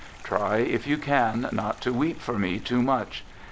••. Try, if you can, not to weep for me too much.